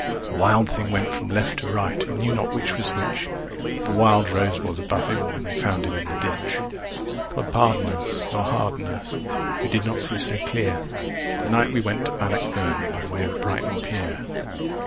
The wild thing went from left to right and knew not which was which, But the wild rose was above him when they found him in the ditch. God pardon us, nor harden us; we did not see so clear The night we went to Bannockburn by way of Brighton Pier.